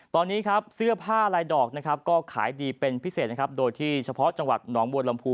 ตอนนี้เสื้อผ้าลายดอกก็ขายดีเป็นพิเศษโดยที่เฉพาะจังหวัดหนองมวลลำพู